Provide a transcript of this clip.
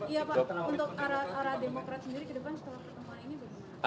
iya pak untuk arah demokrat sendiri ke depan setelah pertemuan ini